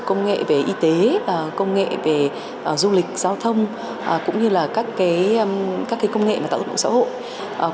công nghệ về y tế công nghệ về du lịch giao thông cũng như là các công nghệ tạo động xã hội